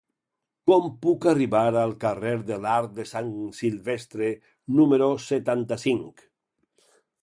Com puc arribar al carrer de l'Arc de Sant Silvestre número setanta-cinc?